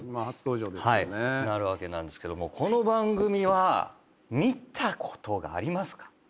なるわけなんですけどもこの番組は見たことがありますか？